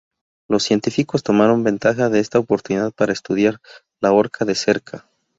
Los científicos tomaron ventaja de esta oportunidad para estudiar la orca de cerca.